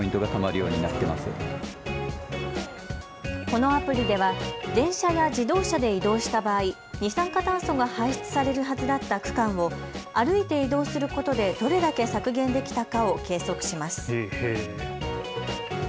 このアプリでは電車や自動車で移動した場合、二酸化炭素が排出されるはずだった区間を歩いて移動することでどれだけ削減できたかを計測します。